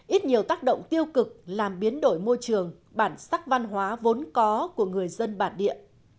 ít nhiều tác động tiêu cực làm biến đổi môi trường bản sắc văn hóa vốn có của người dân bản địa